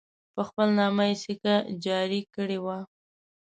په خپل نامه یې سکه جاري کړې وه.